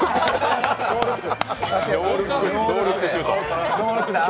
ノールックシュート。